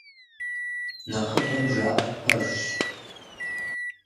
Нэхъыбэм жаӀэр пэжщ.